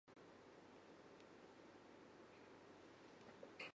考えればわかるでしょ